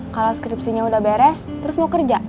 kalau skripsinya udah beres terus mau kerja